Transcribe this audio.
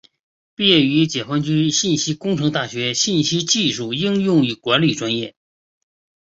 毕业于解放军信息工程大学信息技术应用与管理专业。